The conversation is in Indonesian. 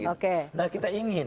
oke nah kita ingin